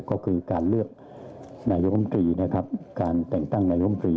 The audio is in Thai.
ก็คือการเลือกนายอมตรีการแต่งตั้งนายอมตรี